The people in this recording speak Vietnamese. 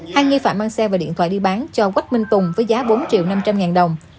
hai nghi phạm mang xe và điện thoại đi bán cho quách minh tùng với giá bốn triệu năm trăm linh ngàn đồng